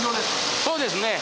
そうですね。